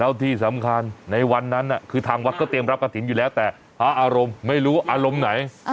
แล้วที่สำคัญในวันนั้นคือทางวัดก็เตรียมรับกระถิ่นอยู่แล้วแต่พระอารมณ์ไม่รู้อารมณ์ไหน